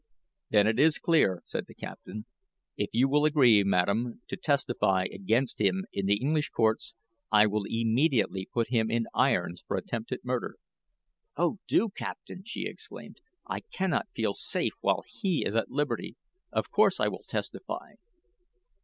"Then it is clear," said the captain. "If you will agree, madam, to testify against him in the English courts, I will immediately put him in irons for attempted murder." "Oh, do, captain," she exclaimed. "I cannot feel safe while he is at liberty. Of course I will testify."